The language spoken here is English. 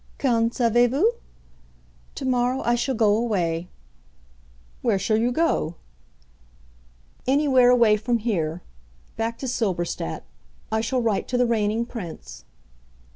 "Qu'en savez vous? Tomorrow I shall go away." "Where shall you go?" "Anywhere away from here. Back to Silberstadt. I shall write to the Reigning Prince."